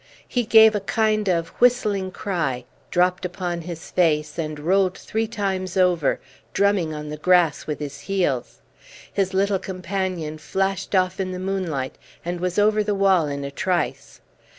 He gave a kind of whistling cry, dropped upon his face, and rolled three times over, drumming on the grass with his heels. His little companion flashed off in the moonlight, and was over the wall in a trice.